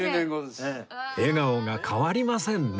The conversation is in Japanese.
笑顔が変わりませんね